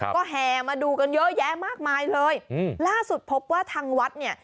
ก็แห่มาดูกันเยอะแยะมากมายเลยอืมล่าสุดพบว่าทางวัดเนี่ย